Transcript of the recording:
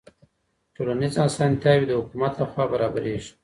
ټولنیز اسانتیاوې د حکومت لخوا برابریږي.